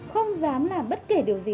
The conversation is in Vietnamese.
không dám làm bất kể điều gì